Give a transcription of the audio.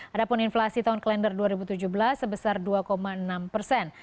adapun inflasi tahun kelender dua ribu tujuh belas sebesar dua enam persen